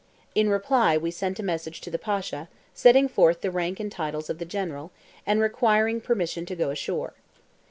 In reply we sent a message to the Pasha, setting forth the rank and titles of the General, and requiring permission to go ashore.